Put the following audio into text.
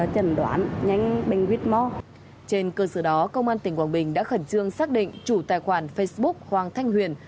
trên cơ sở đó công an tỉnh quảng bình đã khẩn trương xác định chủ tài khoản facebook hoàng thanh huyền